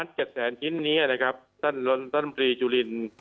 ๑๗๐๐๐๐๐ชิ้นนี้นะครับสั้นรนสั้นพรีจุลิน